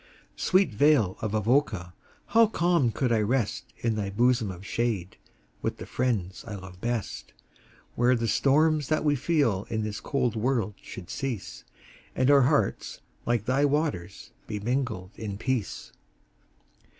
Sweet vale of Avoca! how calm could I rest In thy bosom of shade, with the friends I love best, Where the storms that we feel in this cold world should cease, And our hearts, like thy waters, be mingled in peace.